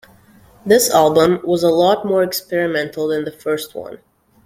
This album was a lot more experimental than the first one.